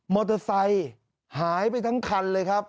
เตอร์ไซค์หายไปทั้งคันเลยครับ